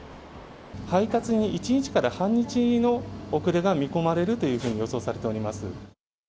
配達に１日から半日の遅れが見込まれるというふうに予想されております。